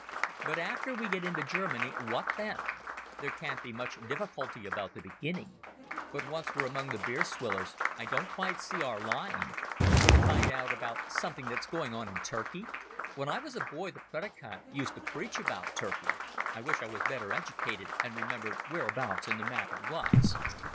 "But after we get into Germany, what then? There can't be much difficulty about the beginning. But once we're among the beer swillers I don't quite see our line. We're to find out about something that's going on in Turkey? When I was a boy the predikant used to preach about Turkey. I wish I was better educated and remembered whereabouts in the map it was."